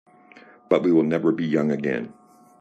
But we will never be young again.